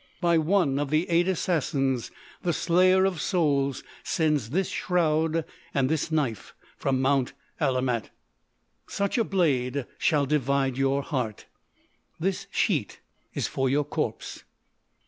By one of the Eight Assassins the Slayer of Souls sends this shroud and this knife from Mount Alamout. Such a blade shall divide your heart. This sheet is for your corpse.